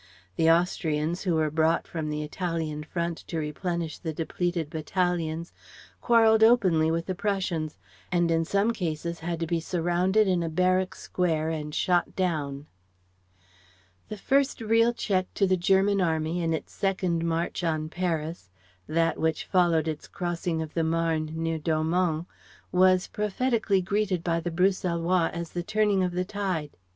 The Austrians who were brought from the Italian front to replenish the depleted battalions, quarrelled openly with the Prussians, and in some cases had to be surrounded in a barrack square and shot down. The first real check to the German Army in its second march on Paris that which followed its crossing of the Marne near Dormans was prophetically greeted by the Bruxellois as the turning of the tide.